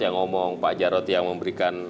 yang ngomong pak jarod yang memberikan